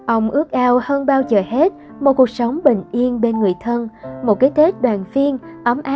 ông ước ao hơn bao giờ hết một cuộc sống bình yên bên người thân một cái tết đoàn phiên ấm áp bên gia đình của mình